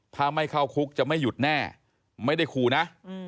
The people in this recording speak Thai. ถ้าไม่เข้าคุกจะไม่หยุดแน่ไม่ได้ขู่นะ